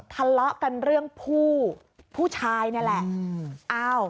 ทะเลาะกันเรื่องผู้ผู้ชายนี่แหละ